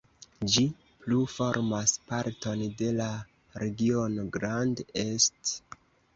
Ĝi plu formas parton de la regiono Grand Est.